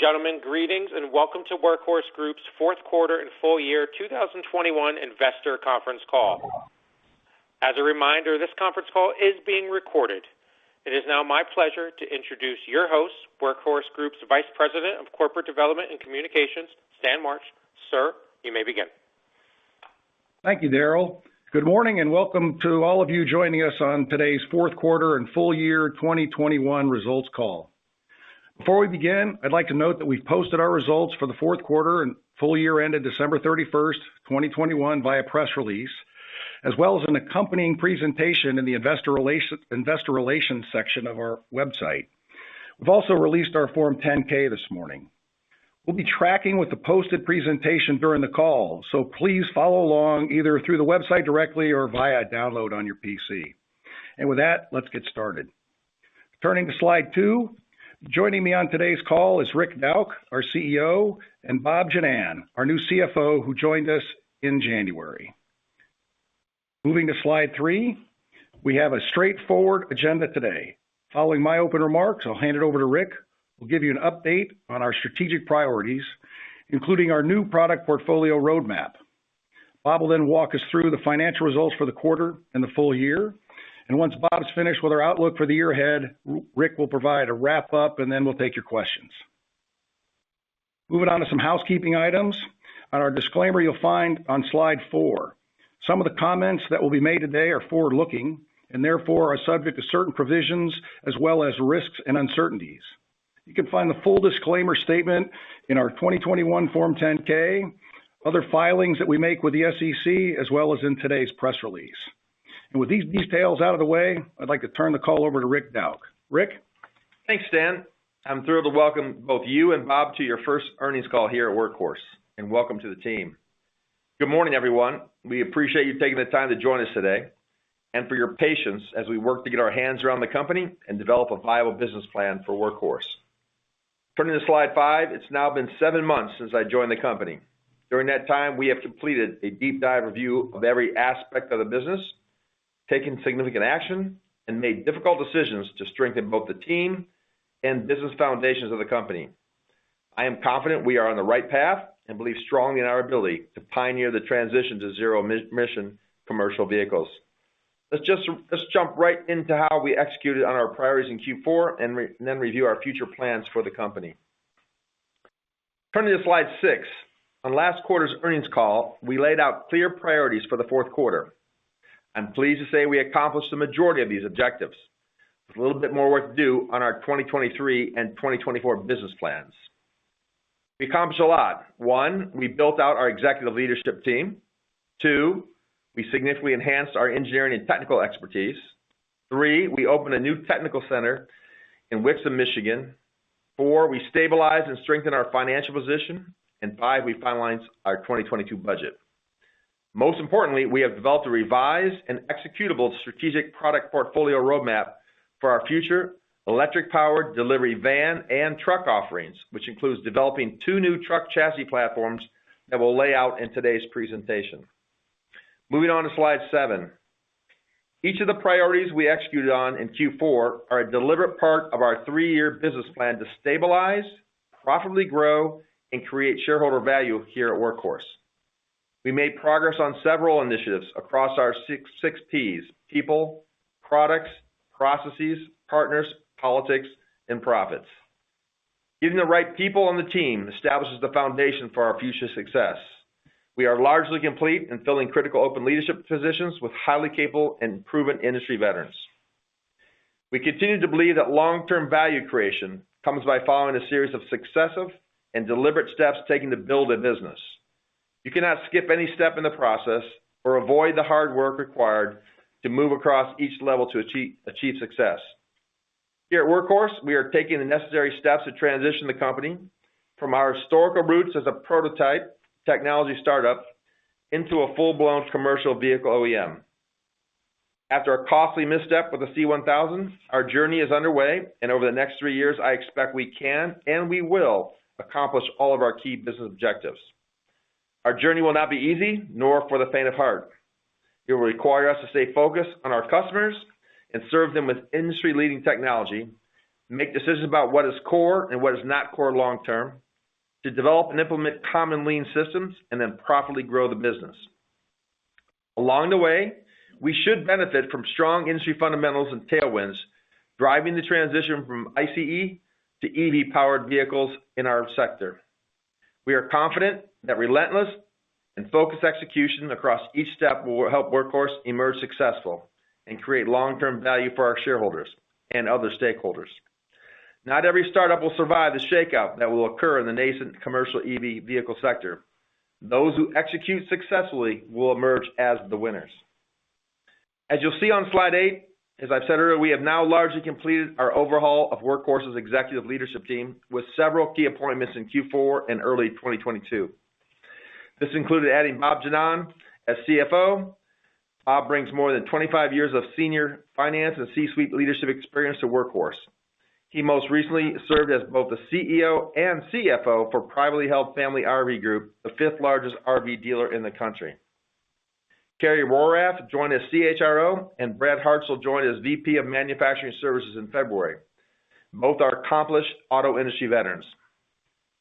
Ladies and gentlemen, greetings and welcome to Workhorse Group's Fourth Quarter and Full Year 2021 Investor Conference Call. As a reminder, this conference call is being recorded. It is now my pleasure to introduce your host, Workhorse Group's Vice President of Corporate Development and Communications, Stan March. Sir, you may begin. Thank you, Daryl. Good morning, and welcome to all of you joining us on today's fourth quarter and full year 2021 results call. Before we begin, I'd like to note that we've posted our results for the fourth quarter and full year ended 31 December 2021 via press release, as well as an accompanying presentation in the investor relations section of our website. We've also released our Form 10-K this morning. We'll be tracking with the posted presentation during the call, so please follow along either through the website directly or via download on your PC. With that, let's get started. Turning to slide two. Joining me on today's call is Rick Dauch, our CEO, and Bob Ginnan, our new CFO, who joined us in January. Moving to slide three. We have a straightforward agenda today. Following my open remarks, I'll hand it over to Rick, who'll give you an update on our strategic priorities, including our new product portfolio roadmap. Bob will then walk us through the financial results for the quarter and the full year. Once Bob's finished with our outlook for the year ahead, Rick will provide a wrap up, and then we'll take your questions. Moving on to some housekeeping items. On our disclaimer, you'll find on slide four, some of the comments that will be made today are forward-looking and therefore are subject to certain provisions as well as risks and uncertainties. You can find the full disclaimer statement in our 2021 Form 10-K, other filings that we make with the SEC, as well as in today's press release. With these details out of the way, I'd like to turn the call over to Rick Dauch. Rick? Thanks, Stan. I'm thrilled to welcome both you and Bob to your first earnings call here at Workhorse, and welcome to the team. Good morning, everyone. We appreciate you taking the time to join us today and for your patience as we work to get our hands around the company and develop a viable business plan for Workhorse. Turning to slide five, it's now been seven months since I joined the company. During that time, we have completed a deep dive review of every aspect of the business, taking significant action and made difficult decisions to strengthen both the team and business foundations of the company. I am confident we are on the right path and believe strongly in our ability to pioneer the transition to zero-emission commercial vehicles. Let's jump right into how we executed on our priorities in fourth quarter and then review our future plans for the company. Turning to slide six. On last quarter's earnings call, we laid out clear priorities for the fourth quarter. I'm pleased to say we accomplished the majority of these objectives. There's a little bit more work to do on our 2023 and 2024 business plans. We accomplished a lot. One, we built out our executive leadership team. Two, we significantly enhanced our engineering and technical expertise. Three, we opened a new technical center in Wixom, Michigan. Four, we stabilized and strengthened our financial position. Five, we finalized our 2022 budget. Most importantly, we have developed a revised and executable strategic product portfolio roadmap for our future electric-powered delivery van and truck offerings, which includes developing two new truck chassis platforms that we'll lay out in today's presentation. Moving on to slide seven. Each of the priorities we executed on in fourth quarter are a deliberate part of our three-year business plan to stabilize, profitably grow, and create shareholder value here at Workhorse. We made progress on several initiatives across our six Ps, people, products, processes, partners, politics, and profits. Getting the right people on the team establishes the foundation for our future success. We are largely complete in filling critical open leadership positions with highly capable and proven industry veterans. We continue to believe that long-term value creation comes by following a series of successive and deliberate steps taken to build a business. You cannot skip any step in the process or avoid the hard work required to move across each level to achieve success. Here at Workhorse, we are taking the necessary steps to transition the company from our historical roots as a prototype technology startup into a full-blown commercial vehicle OEM. After a costly misstep with the C-1000, our journey is underway, and over the next three years, I expect we can and we will accomplish all of our key business objectives. Our journey will not be easy nor for the faint of heart. It will require us to stay focused on our customers and serve them with industry-leading technology, make decisions about what is core and what is not core long term, to develop and implement common lean systems, and then profitably grow the business. Along the way, we should benefit from strong industry fundamentals and tailwinds, driving the transition from ICE to EV-powered vehicles in our sector. We are confident that relentless and focused execution across each step will help Workhorse emerge successful and create long-term value for our shareholders and other stakeholders. Not every startup will survive the shakeup that will occur in the nascent commercial EV vehicle sector. Those who execute successfully will emerge as the winners. As you'll see on slide eight, as I've said earlier, we have now largely completed our overhaul of Workhorse's executive leadership team with several key appointments in fourth quarter and early 2022. This included adding Bob Ginnan as CFO. Bob brings more than 25 years of senior finance and C-suite leadership experience to Workhorse. He most recently served as both the CEO and CFO for Privately Held Family RV Group, the fifth largest RV dealer in the country. Kerry Rohrabaugh joined as CHRO and Brad Hartzell joined as VP of Manufacturing Services in February. Both are accomplished auto industry veterans.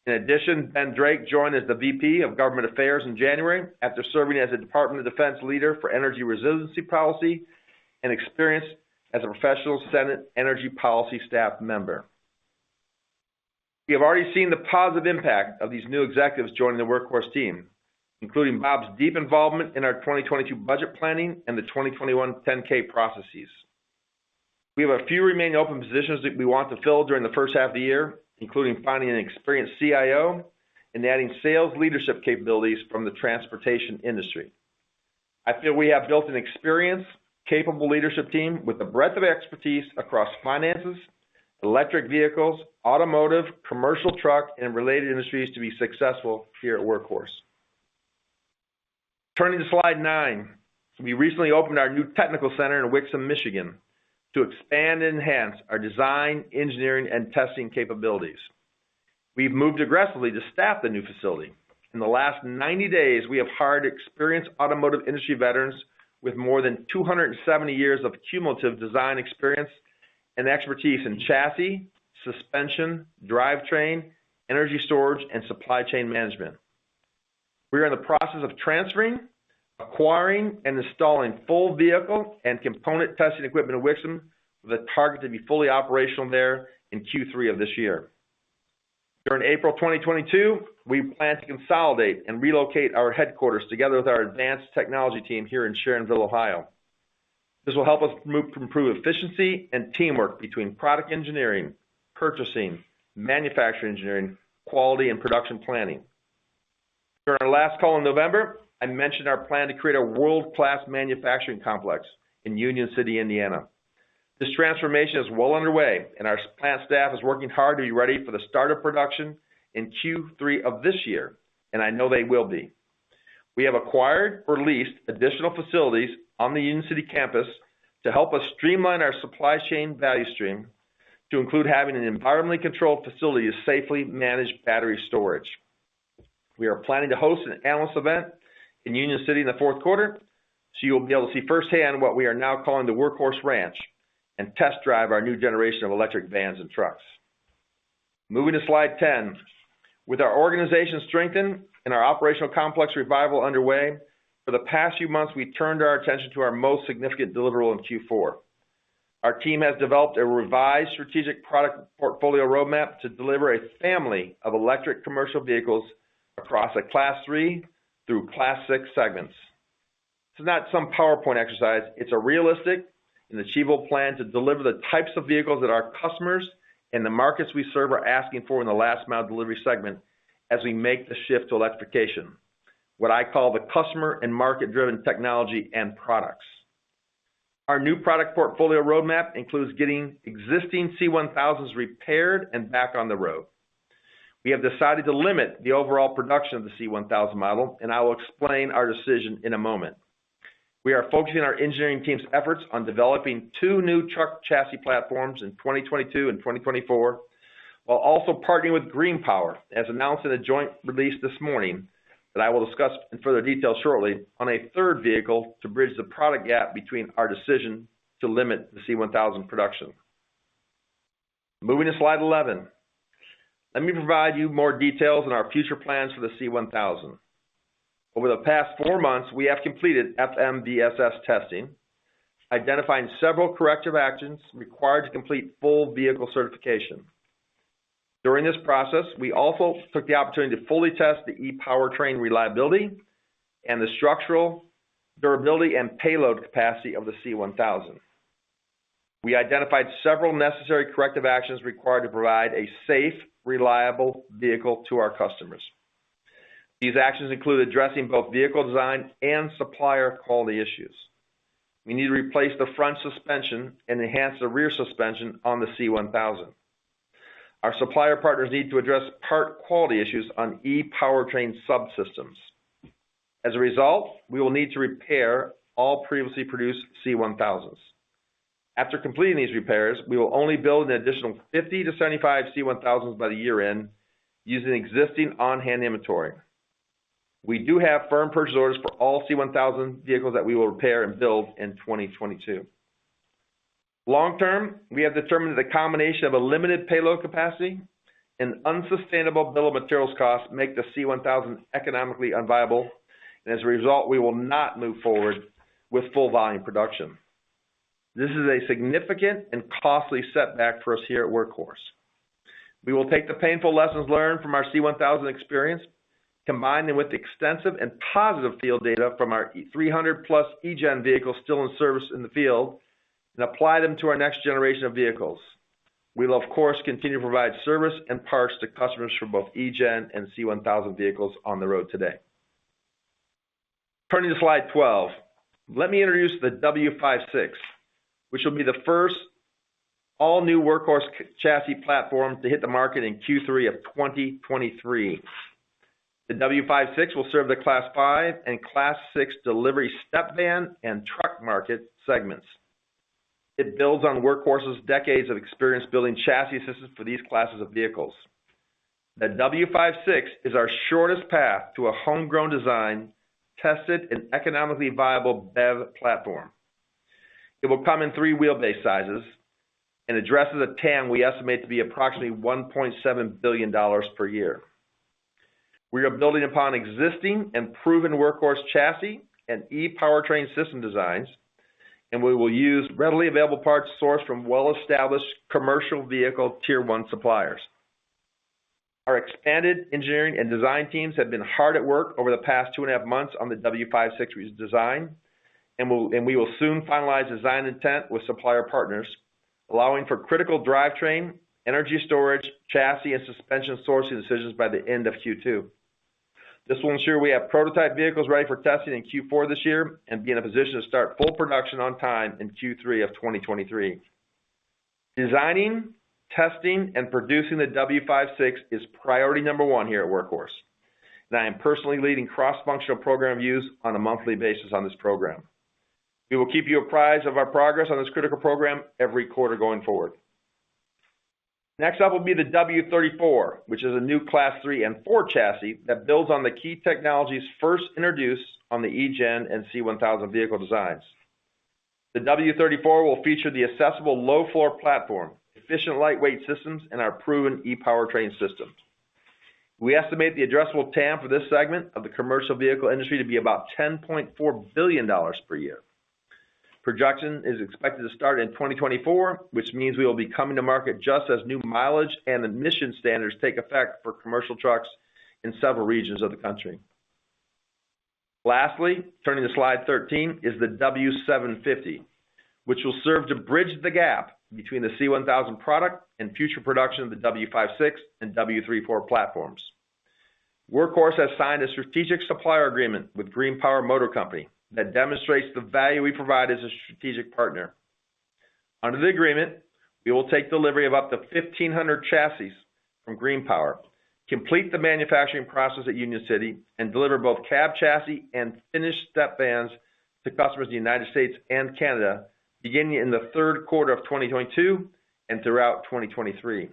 In addition, Ben Drake joined as the VP of Government Affairs in January after serving as a Department of Defense leader for energy resiliency policy and experience as a professional Senate energy policy staff member. We have already seen the positive impact of these new executives joining the Workhorse team, including Bob's deep involvement in our 2022 budget planning and the 2021 10-K processes. We have a few remaining open positions that we want to fill during the first half of the year, including finding an experienced CIO and adding sales leadership capabilities from the transportation industry. I feel we have built an experienced, capable leadership team with a breadth of expertise across finances, electric vehicles, automotive, commercial truck, and related industries to be successful here at Workhorse. Turning to slide nine. We recently opened our new technical center in Wixom, Michigan, to expand and enhance our design, engineering, and testing capabilities. We've moved aggressively to staff the new facility. In the last 90 days, we have hired experienced automotive industry veterans with more than 270 years of cumulative design experience and expertise in chassis, suspension, drivetrain, energy storage, and supply chain management. We are in the process of transferring, acquiring, and installing full vehicle and component testing equipment in Wixom with a target to be fully operational there in third quarter of this year. During April 2022, we plan to consolidate and relocate our headquarters together with our advanced technology team here in Sharonville, Ohio. This will help us improve efficiency and teamwork between product engineering, purchasing, manufacturing engineering, quality, and production planning. During our last call in November, I mentioned our plan to create a world-class manufacturing complex in Union City, Indiana. This transformation is well underway, and our plant staff is working hard to be ready for the start of production in third quarter of this year, and I know they will be. We have acquired or leased additional facilities on the Union City campus to help us streamline our supply chain value stream to include having an environmentally controlled facility to safely manage battery storage. We are planning to host an analyst event in Union City in the fourth quarter, so you'll be able to see firsthand what we are now calling the Workhorse Ranch and test drive our new generation of electric vans and trucks. Moving to slide 10. With our organization strengthened and our operational complex revival underway, for the past few months, we turned our attention to our most significant deliverable in fourth quarter. Our team has developed a revised strategic product portfolio roadmap to deliver a family of electric commercial vehicles across a Class 3 through Class 6 segments. It's not some PowerPoint exercise. It's a realistic and achievable plan to deliver the types of vehicles that our customers and the markets we serve are asking for in the last mile delivery segment as we make the shift to electrification, what I call the customer and market-driven technology and products. Our new product portfolio roadmap includes getting existing C1000s repaired and back on the road. We have decided to limit the overall production of the C1000 model, and I will explain our decision in a moment. We are focusing our engineering team's efforts on developing two new truck chassis platforms in 2022 and 2024, while also partnering with GreenPower, as announced in a joint release this morning that I will discuss in further detail shortly, on a third vehicle to bridge the product gap between our decision to limit the C1000 production. Moving to slide 11. Let me provide you more details on our future plans for the C1000. Over the past four months, we have completed FMVSS testing, identifying several corrective actions required to complete full vehicle certification. During this process, we also took the opportunity to fully test the e-powertrain reliability and the structural durability and payload capacity of the C1000. We identified several necessary corrective actions required to provide a safe, reliable vehicle to our customers. These actions include addressing both vehicle design and supplier quality issues. We need to replace the front suspension and enhance the rear suspension on the C1000. Our supplier partners need to address part quality issues on e-powertrain subsystems. As a result, we will need to repair all previously produced C1000s. After completing these repairs, we will only build an additional 50 to 75 C1000s by the year-end using existing on-hand inventory. We do have firm purchase orders for all C1000 vehicles that we will repair and build in 2022. Long term, we have determined that the combination of a limited payload capacity and unsustainable bill of materials costs make the C1000 economically unviable, and as a result, we will not move forward with full volume production. This is a significant and costly setback for us here at Workhorse. We will take the painful lessons learned from our C1000 experience, combine them with the extensive and positive field data from our 300+ E-GEN vehicles still in service in the field, and apply them to our next generation of vehicles. We will, of course, continue to provide service and parts to customers for both E-GEN and C1000 vehicles on the road today. Turning to slide 12. Let me introduce the W56, which will be the first all-new Workhorse C-chassis platform to hit the market in third quarter of 2023. The W56 will serve the Class 5 and Class 6 delivery step van and truck market segments. It builds on Workhorse's decades of experience building chassis systems for these classes of vehicles. The W56 is our shortest path to a homegrown design, tested and economically viable BEV platform. It will come in three wheelbase sizes and addresses a TAM we estimate to be approximately $1.7 billion per year. We are building upon existing and proven Workhorse chassis and e-powertrain system designs, and we will use readily available parts sourced from well-established commercial vehicle Tier 1 suppliers. Our expanded engineering and design teams have been hard at work over the past two and a half months on the W56 redesign, and we will soon finalize design intent with supplier partners, allowing for critical drivetrain, energy storage, chassis and suspension sourcing decisions by the end of second quarter. This will ensure we have prototype vehicles ready for testing in fourth quarter this year and be in a position to start full production on time in third quarter of 2023. Designing, testing, and producing the W56 is priority number one here at Workhorse, and I am personally leading cross-functional program reviews on a monthly basis on this program. We will keep you apprised of our progress on this critical program every quarter going forward. Next up will be the W34, which is a new Class 3 and 4 chassis that builds on the key technologies first introduced on the E-GEN and C1000 vehicle designs. The W34 will feature the accessible low-floor platform, efficient lightweight systems, and our proven e-powertrain systems. We estimate the addressable TAM for this segment of the commercial vehicle industry to be about $10.4 billion per year. Production is expected to start in 2024, which means we will be coming to market just as new mileage and emission standards take effect for commercial trucks in several regions of the country. Lastly, turning to slide 13, is the W750, which will serve to bridge the gap between the C1000 product and future production of the W56 and W34 platforms. Workhorse has signed a strategic supplier agreement with GreenPower Motor Company that demonstrates the value we provide as a strategic partner. Under the agreement, we will take delivery of up to 1,500 chassis from GreenPower, complete the manufacturing process at Union City, and deliver both cab chassis and finished step vans to customers in the United States and Canada beginning in the third quarter of 2022 and throughout 2023.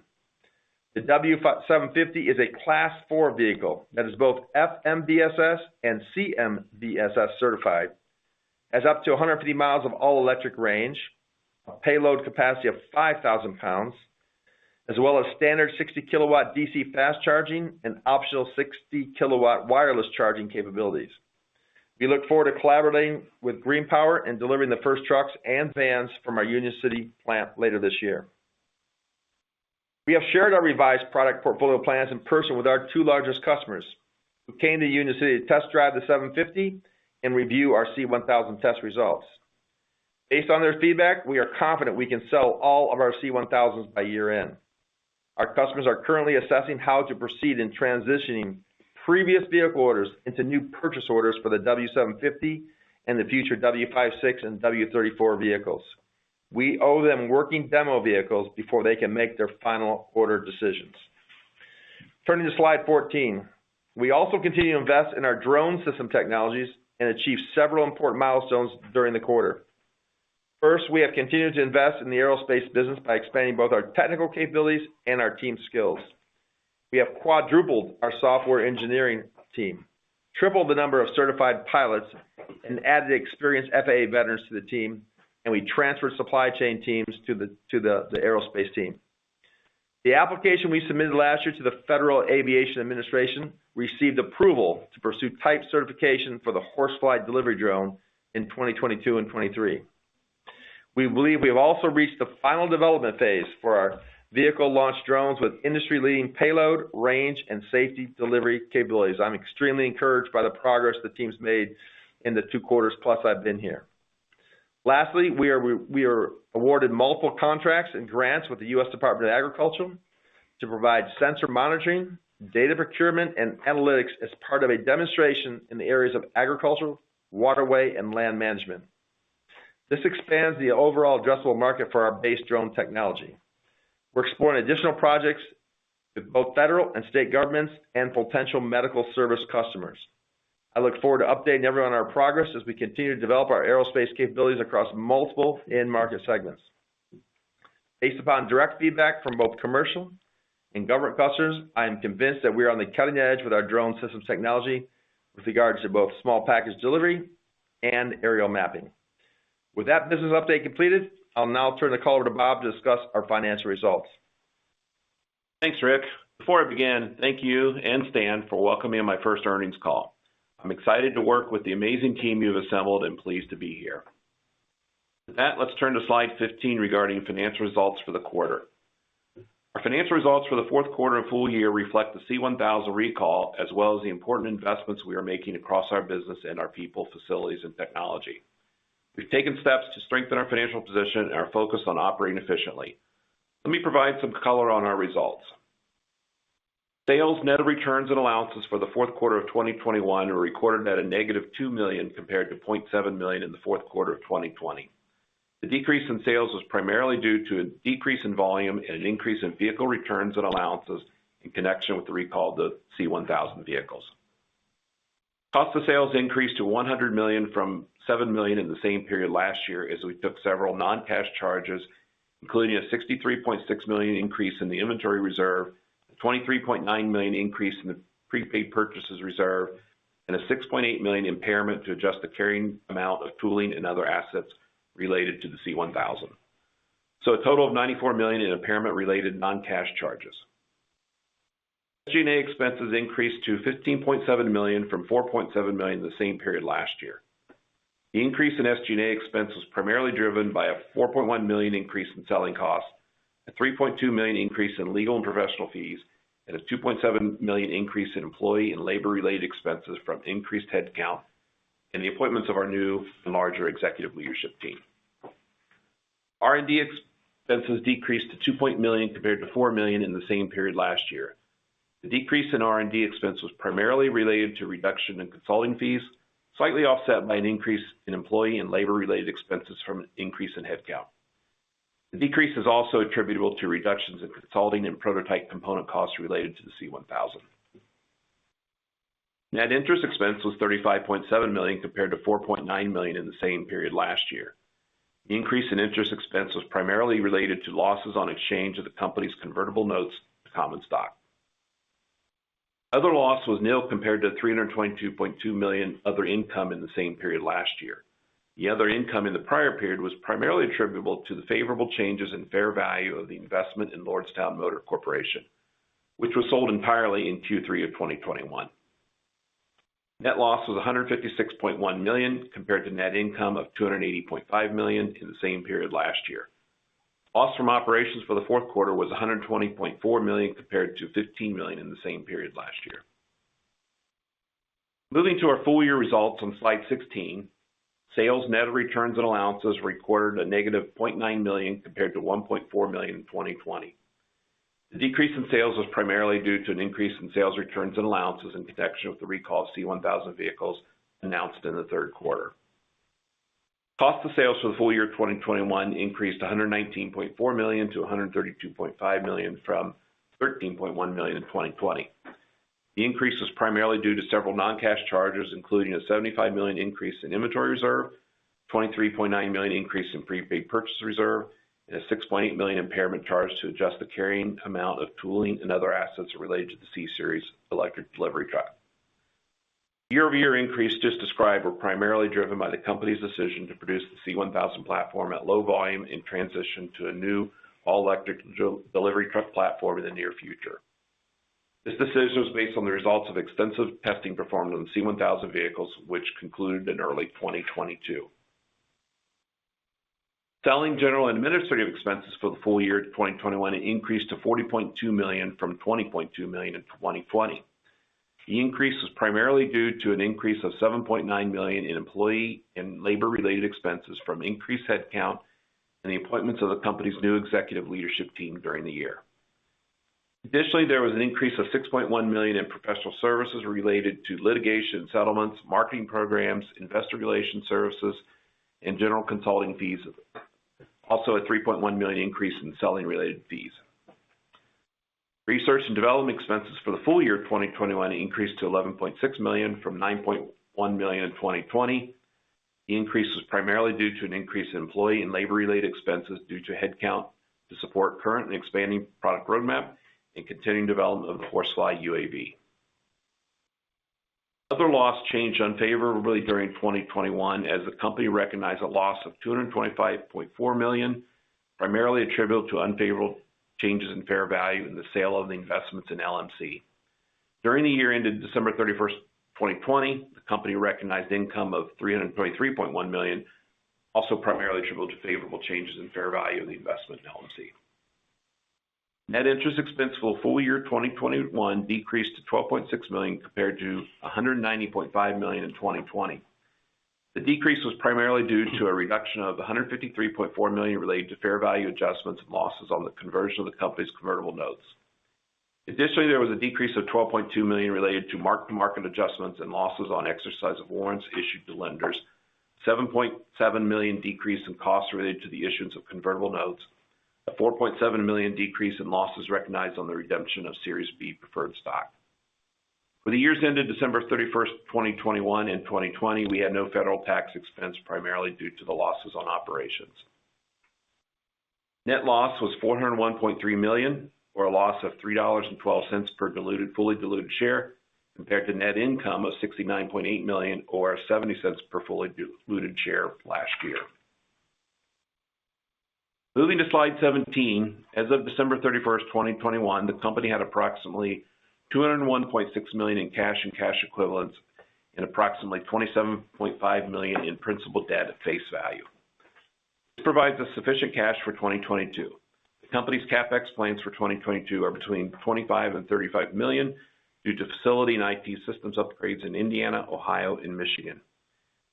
The W750 is a Class 4 vehicle that is both FMVSS and CMVSS certified, has up to 150 mi of all-electric range, a payload capacity of 5,000 pounds, as well as standard 60 kW DC fast charging and optional 60 kW wireless charging capabilities. We look forward to collaborating with GreenPower and delivering the first trucks and vans from our Union City plant later this year. We have shared our revised product portfolio plans in person with our two largest customers, who came to Union City to test drive the W750 and review our C1000 test results. Based on their feedback, we are confident we can sell all of our C1000s by year-end. Our customers are currently assessing how to proceed in transitioning previous vehicle orders into new purchase orders for the W750 and the future W56 and W34 vehicles. We owe them working demo vehicles before they can make their final order decisions. Turning to slide 14. We also continue to invest in our drone system technologies and achieve several important milestones during the quarter. First, we have continued to invest in the aerospace business by expanding both our technical capabilities and our team skills. We have quadrupled our software engineering team, tripled the number of certified pilots, and added experienced FAA veterans to the team, and we transferred supply chain teams to the aerospace team. The application we submitted last year to the Federal Aviation Administration received approval to pursue type certification for the HorseFly delivery drone in 2022 and 2023. We believe we have also reached the final development phase for our vehicle launch drones with industry-leading payload, range, and safety delivery capabilities. I'm extremely encouraged by the progress the team's made in the two quarters plus I've been here. Lastly, we are awarded multiple contracts and grants with the US Department of Agriculture to provide sensor monitoring, data procurement, and analytics as part of a demonstration in the areas of agricultural, waterway, and land management. This expands the overall addressable market for our base drone technology. We're exploring additional projects with both federal and state governments and potential medical service customers. I look forward to updating everyone on our progress as we continue to develop our aerospace capabilities across multiple end market segments. Based upon direct feedback from both commercial and government customers, I am convinced that we are on the cutting edge with our drone systems technology with regards to both small package delivery and aerial mapping. With that business update completed, I'll now turn the call over to Bob to discuss our financial results. Thanks, Rick. Before I begin, thank you and Stan for welcoming me on my first earnings call. I'm excited to work with the amazing team you have assembled and pleased to be here. With that, let's turn to slide 15 regarding financial results for the quarter. Our financial results for the fourth quarter and full year reflect the C1000 recall, as well as the important investments we are making across our business and our people, facilities, and technology. We've taken steps to strengthen our financial position and are focused on operating efficiently. Let me provide some color on our results. Sales net of returns and allowances for the fourth quarter of 2021 were recorded at -$2 million compared to $0.7 million in the fourth quarter of 2020. The decrease in sales was primarily due to a decrease in volume and an increase in vehicle returns and allowances in connection with the recall of the C1000 vehicles. Cost of sales increased to $100 million from $7 million in the same period last year as we took several non-cash charges, including a $63.6 million increase in the inventory reserve, $23.9 million increase in the prepaid purchases reserve, and a $6.8 million impairment to adjust the carrying amount of tooling and other assets related to the C1000. A total of $94 million in impairment-related non-cash charges. SG&A expenses increased to $15.7 million from $4.7 million in the same period last year. The increase in SG&A expense was primarily driven by a $4.1 million increase in selling costs, a $3.2 million increase in legal and professional fees, and a $2.7 million increase in employee and labor-related expenses from increased headcount and the appointments of our new and larger executive leadership team. R&D expenses decreased to $2 million compared to $4 million in the same period last year. The decrease in R&D expense was primarily related to reduction in consulting fees, slightly offset by an increase in employee and labor-related expenses from an increase in headcount. The decrease is also attributable to reductions in consulting and prototype component costs related to the C-1000. Net interest expense was $35.7 million compared to $4.9 million in the same period last year. The increase in interest expense was primarily related to losses on exchange of the company's convertible notes to common stock. Other loss was nil compared to $322.2 million other income in the same period last year. The other income in the prior period was primarily attributable to the favorable changes in fair value of the investment in Lordstown Motors Corp., which was sold entirely in third quarter of 2021. Net loss was $156.1 million compared to net income of $280.5 million in the same period last year. Loss from operations for the fourth quarter was $120.4 million compared to $15 million in the same period last year. Moving to our full-year results on slide 16, sales net of returns and allowances recorded -$0.9 million compared to $1.4 million in 2020. The decrease in sales was primarily due to an increase in sales returns and allowances in connection with the recall of C1000 vehicles announced in the third quarter. Cost of sales for the full year 2021 increased by $119.4 million to $132.5 million from $13.1 million in 2020. The increase was primarily due to several non-cash charges, including a $75 million increase in inventory reserve, $23.9 million increase in prepaid purchase reserve, and a $6.8 million impairment charge to adjust the carrying amount of tooling and other assets related to the C-Series electric delivery truck. Year-over-year increase just described were primarily driven by the company's decision to produce the C-1000 platform at low volume in transition to a new all-electric delivery truck platform in the near future. This decision was based on the results of extensive testing performed on C-1000 vehicles, which concluded in early 2022. Selling, general, and administrative expenses for the full year 2021 increased to $40.2 million from $20.2 million in 2020. The increase was primarily due to an increase of $7.9 million in employee and labor-related expenses from increased headcount and the appointments of the company's new executive leadership team during the year. Additionally, there was an increase of $6.1 million in professional services related to litigation settlements, marketing programs, investor relations services, and general consulting fees. Also, a $3.1 million increase in selling-related fees. Research and development expenses for the full year 2021 increased to $11.6 million from $9.1 million in 2020. The increase was primarily due to an increase in employee and labor-related expenses due to headcount to support current and expanding product roadmap and continuing development of the HorseFly UAV. Other loss changed unfavorably during 2021 as the company recognized a loss of $225.4 million, primarily attributable to unfavorable changes in fair value in the sale of the investments in LMC. During the year ended 31 December 2020, the company recognized income of $323.1 million, also primarily attributable to favorable changes in fair value of the investment in LMC. Net interest expense for full year 2021 decreased to $12.6 million compared to $190.5 million in 2020. The decrease was primarily due to a reduction of $153.4 million related to fair value adjustments and losses on the conversion of the company's convertible notes. Additionally, there was a decrease of $12.2 million related to mark-to-market adjustments and losses on exercise of warrants issued to lenders, $7.7 million decrease in costs related to the issuance of convertible notes, a $4.7 million decrease in losses recognized on the redemption of Series B preferred stock. For the years ended 31 December 2021 and 2020, we had no federal tax expense primarily due to the losses on operations. Net loss was $401.3 million, or a loss of $3.12 per diluted, fully diluted share, compared to net income of $69.8 million, or $0.70 per fully diluted share last year. Moving to slide 17, as of 31 December 2021, the company had approximately $201.6 million in cash and cash equivalents and approximately $27.5 million in principal debt at face value. This provides us sufficient cash for 2022. The company's CapEx plans for 2022 are between $25 to 35 million due to facility and IT systems upgrades in Indiana, Ohio, and Michigan.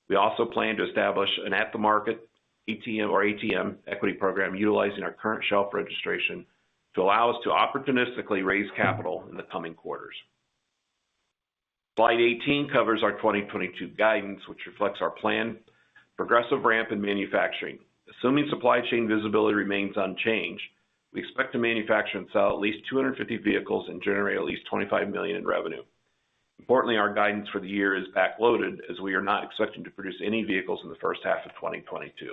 We also plan to establish an at-the-market ATM, or ATM equity program utilizing our current shelf registration to allow us to opportunistically raise capital in the coming quarters. Slide 18 covers our 2022 guidance, which reflects our planned progressive ramp in manufacturing. Assuming supply chain visibility remains unchanged, we expect to manufacture and sell at least 250 vehicles and generate at least $25 million in revenue. Importantly, our guidance for the year is backloaded as we are not expecting to produce any vehicles in the first half of 2022.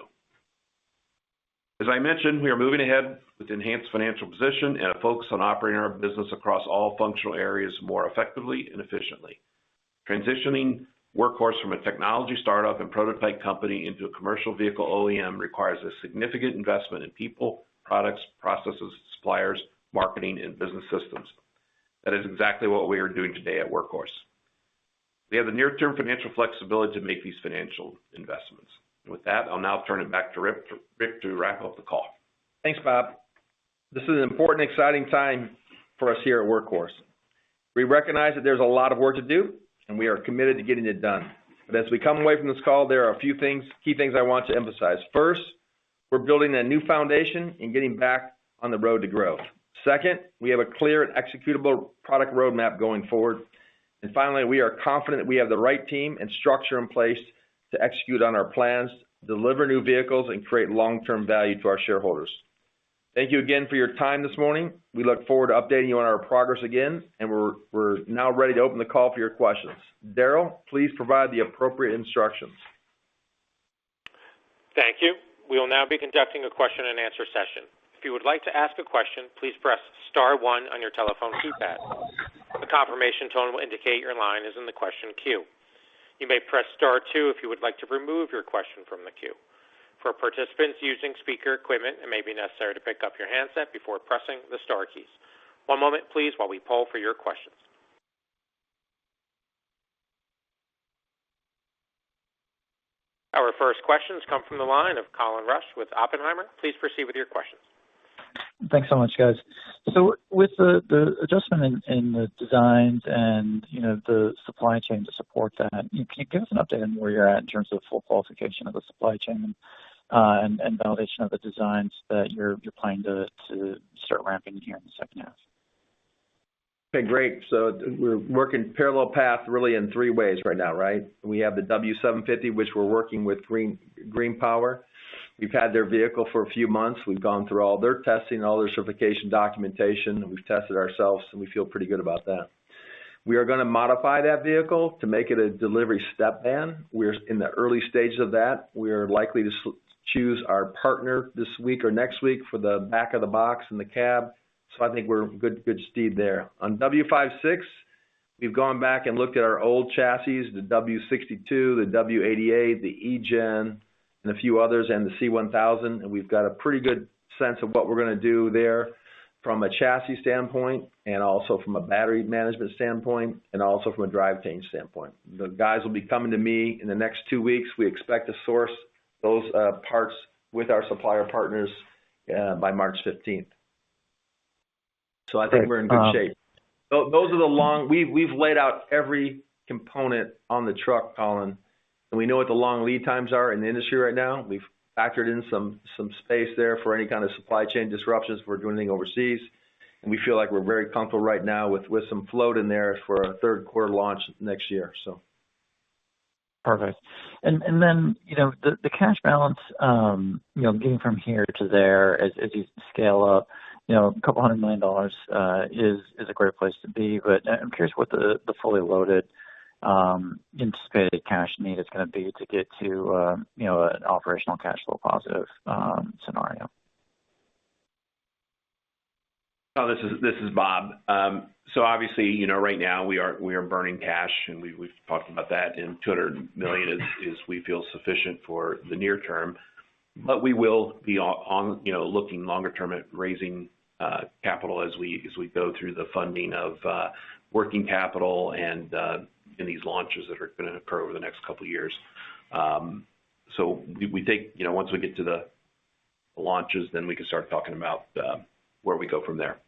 As I mentioned, we are moving ahead with enhanced financial position and a focus on operating our business across all functional areas more effectively and efficiently. Transitioning Workhorse from a technology startup and prototype company into a commercial vehicle OEM requires a significant investment in people, products, processes, suppliers, marketing and business systems. That is exactly what we are doing today at Workhorse. We have the near-term financial flexibility to make these financial investments. With that, I'll now turn it back to Rick to wrap up the call. Thanks, Bob. This is an important, exciting time for us here at Workhorse. We recognize that there's a lot of work to do, and we are committed to getting it done. As we come away from this call, there are a few things, key things I want to emphasize. First, we're building a new foundation and getting back on the road to growth. Second, we have a clear and executable product roadmap going forward. And finally, we are confident that we have the right team and structure in place to execute on our plans, deliver new vehicles, and create long-term value to our shareholders. Thank you again for your time this morning. We look forward to updating you on our progress again, and we're now ready to open the call for your questions. Daryl, please provide the appropriate instructions. Our first questions come from the line of Colin Rusch with Oppenheimer. Please proceed with your questions. Thanks so much, guys. With the adjustment in the designs and, you know, the supply chain to support that, can you give us an update on where you're at in terms of full qualification of the supply chain and validation of the designs that you're planning to start ramping here in the second half? Okay, great. We're working parallel path really in three ways right now, right? We have the W750, which we're working with GreenPower. We've had their vehicle for a few months. We've gone through all their testing, all their certification documentation, and we've tested ourselves, and we feel pretty good about that. We are gonna modify that vehicle to make it a delivery step van. We're in the early stages of that. We're likely to choose our partner this week or next week for the back of the box and the cab. I think we're good stead there. On W56, we've gone back and looked at our old chassis, the W62, the W88, the E-GEN, and a few others, and the C1000, and we've got a pretty good sense of what we're gonna do there from a chassis standpoint and also from a battery management standpoint and also from a drivetrain standpoint. The guys will be coming to me in the next two weeks. We expect to source those parts with our supplier partners by 15 March 2021. I think we're in good shape. Um... We've laid out every component on the truck, Colin, and we know what the long lead times are in the industry right now. We've factored in some space there for any kind of supply chain disruptions if we're doing anything overseas. We feel like we're very comfortable right now with some float in there for a third quarter launch next year. Perfect. Then, you know, the cash balance, you know, getting from here to there as you scale up, you know, $200 million is a great place to be. But I'm curious what the fully loaded anticipated cash need is gonna be to get to, you know, an operational cash flow positive scenario. Oh, this is Bob. Obviously, you know, right now we are burning cash, and we've talked about that, and $200 million is we feel sufficient for the near term. We will be on, you know, looking longer term at raising capital as we go through the funding of working capital and in these launches that are gonna occur over the next couple of years. We think, you know, once we get to the launches, then we can start talking about where we go from there.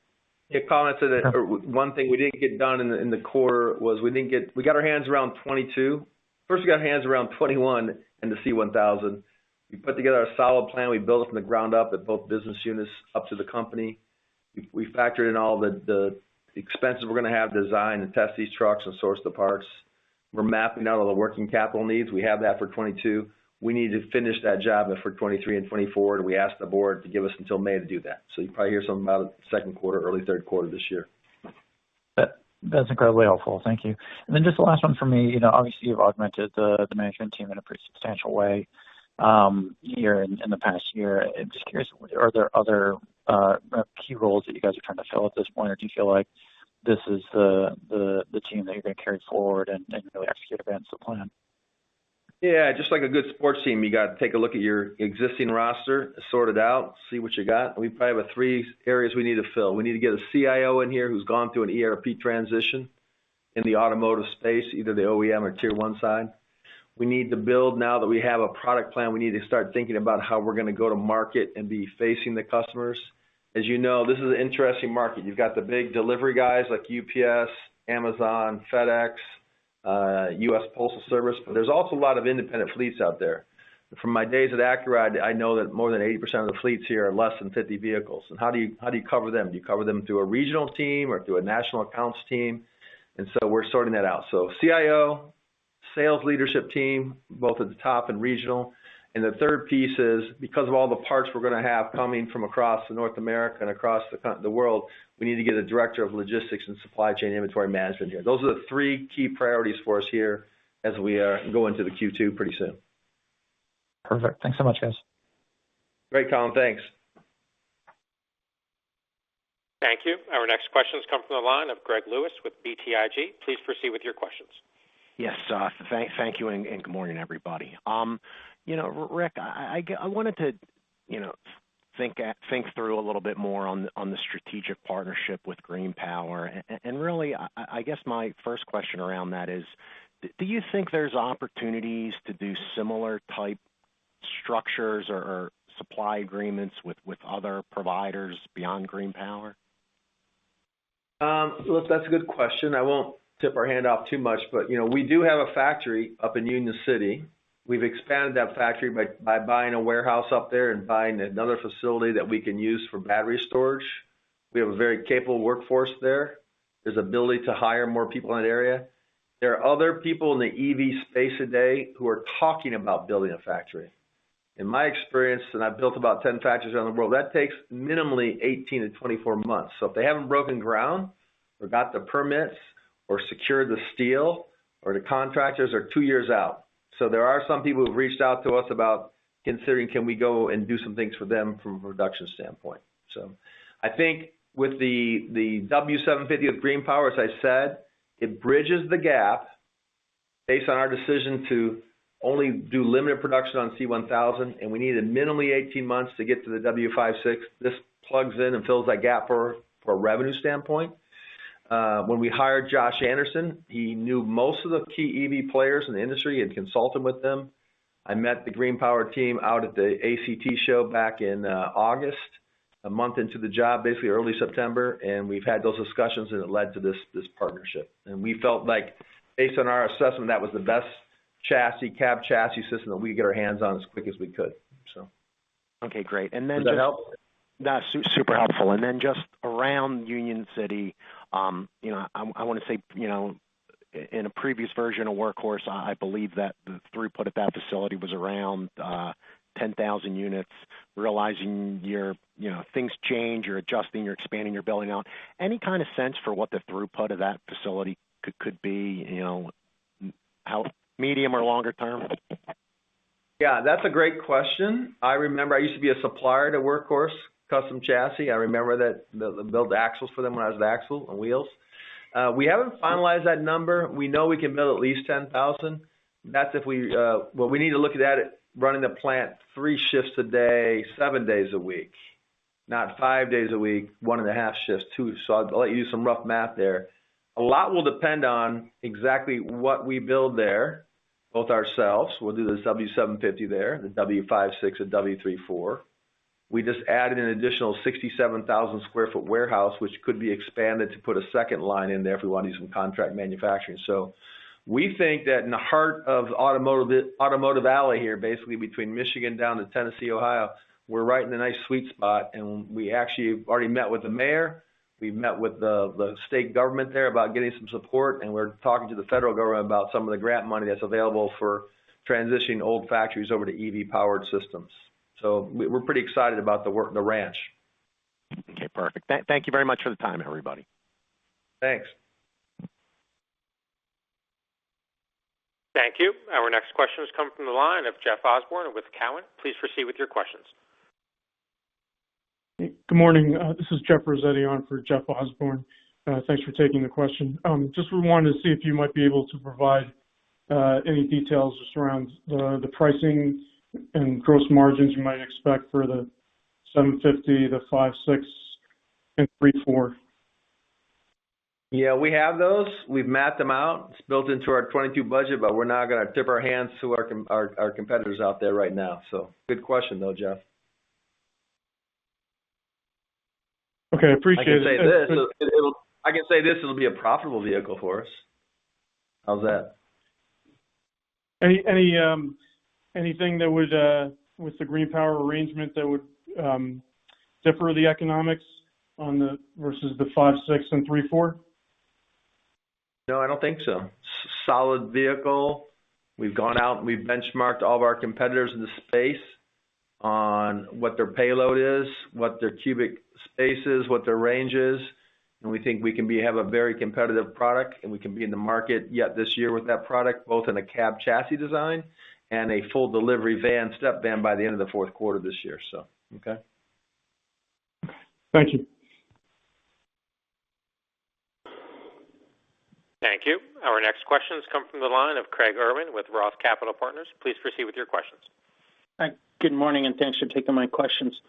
Yeah. Colin, I'd say that one thing we didn't get done in the core was we got our hands around 2022. First, we got hands around 2021 and the C1000. We put together a solid plan. We built it from the ground up at both business units up to the company. We factored in all the expenses we're gonna have to design and test these trucks and source the parts. We're mapping out all the working capital needs. We have that for 2022. We need to finish that job for 2023 and 2024, and we asked the board to give us until May to do that. You'll probably hear something about it second quarter, early third quarter this year. That, that's incredibly helpful. Thank you. Just the last one from me. You know, obviously, you've augmented the management team in a pretty substantial way here in the past year. I'm just curious, are there other key roles that you guys are trying to fill at this point? Or do you feel like this is the team that you're gonna carry forward and really execute against the plan? Yeah. Just like a good sports team, you got to take a look at your existing roster, sort it out, see what you got. We probably have three areas we need to fill. We need to get a CIO in here who's gone through an ERP transition in the automotive space, either the OEM or Tier 1 side. We need to build now that we have a product plan, we need to start thinking about how we're gonna go to market and be facing the customers. As you know, this is an interesting market. You've got the big delivery guys like UPS, Amazon, FedEx, US Postal Service, but there's also a lot of independent fleets out there. From my days at Accuride, I know that more than 80% of the fleets here are less than 50 vehicles. How do you cover them? Do you cover them through a regional team or through a national accounts team? We're sorting that out. CIO sales leadership team, both at the top and regional. The third piece is, because of all the parts we're gonna have coming from across North America and across the world, we need to get a director of logistics and supply chain inventory management here. Those are the three key priorities for us here as we are going into the second quarter pretty soon. Perfect. Thanks so much, guys. Great, Colin. Thanks. Thank you. Our next question has come from the line of Greg Lewis with BTIG. Please proceed with your questions. Yes. Thank you and good morning, everybody. You know, Rick, I wanted to, you know, think through a little bit more on the strategic partnership with GreenPower. Really, I guess my first question around that is do you think there's opportunities to do similar type structures or supply agreements with other providers beyond GreenPower? Look, that's a good question. I won't tip our hand off too much, but, you know, we do have a factory up in Union City. We've expanded that factory by buying a warehouse up there and buying another facility that we can use for battery storage. We have a very capable workforce there. There's ability to hire more people in that area. There are other people in the EV space today who are talking about building a factory. In my experience, and I've built about 10 factories around the world, that takes minimally 18 to 24 months. If they haven't broken ground or got the permits or secured the steel or the contractors are two years out. There are some people who've reached out to us about considering can we go and do some things for them from a production stantwopoint. I think with the W750 with GreenPower, as I said, it bridges the gap based on our decision to only do limited production on C1000, and we needed minimally 18 months to get to the W56. This plugs in and fills that gap for a revenue standpoint. When we hired Josh Anderson, he knew most of the key EV players in the industry and consulted with them. I met the GreenPower team out at the ACT show back in August, a month into the job, basically early September, and we've had those discussions, and it led to this partnership. We felt like based on our assessment, that was the best chassis, cab chassis system that we could get our hands on as quick as we could. Okay, great... Does that help? That's super helpful. Just around Union City, you know, I want to say, you know, in a previous version of Workhorse, I believe that the throughput of that facility was around 10,000 units. Realizing, you know, things change, you're adjusting, you're expanding, you're building out. Any kind of sense for what the throughput of that facility could be, you know, how medium or longer term? Yeah, that's a great question. I remember I used to be a supplier to Workhorse Custom Chassis. I remember that I built axles for them when I was in axle and wheels. We haven't finalized that number. We know we can build at least 10,000. That's if we need to look at it running the plant three shifts a day, seven days a week, not five days a week, one and a half shifts, two. I'll let you do some rough math there. A lot will depend on exactly what we build there, both ourselves. We'll do the W750 there, the W56 and W34. We just added an additional 67,000 sq ft warehouse, which could be expanded to put a second line in there if we want to do some contract manufacturing. We think that in the heart of Automotive Alley here, basically between Michigan down to Tennessee, Ohio, we're right in a nice, sweet spot, and we actually have already met with the mayor. We've met with the state government there about getting some support, and we're talking to the federal government about some of the grant money that's available for transitioning old factories over to EV-powered systems. We're pretty excited about the work, the range. Okay, perfect. Thank you very much for the time, everybody. Thanks. Thank you. Our next question has come from the line of Jeff Osborne with Cowen. Please proceed with your questions. Good morning. This is Jeffrey Rossetti on for Jeff Osborne. Thanks for taking the question. Just we wanted to see if you might be able to provide any details just around the pricing and gross margins you might expect for the W750, the W56, and W34. Yeah, we have those. We've mapped them out. It's built into our 2022 budget, but we're not gonna tip our hands to our competitors out there right now. Good question, though, Jeff. Okay. I appreciate it. I can say this. It'll be a profitable vehicle for us. How's that? Anything that would, with the GreenPower arrangement, differ the economics on the W56 versus the W34? No, I don't think so. Solid vehicle. We've gone out and we've benchmarked all of our competitors in the space on what their payload is, what their cubic space is, what their range is, and we think we can be, have a very competitive product, and we can be in the market yet this year with that product, both in a cab chassis design and a full delivery van, step van by the end of the fourth quarter this year. Okay. Thank you. Thank you. Our next question has come from the line of Craig Irwin with Roth Capital Partners. Please proceed with your questions. Hi. Good morning, and thanks for taking my questions.